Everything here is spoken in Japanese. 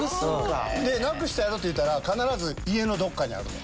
「なくしたやろ？」って言ったら必ず「家のどっかにある」と。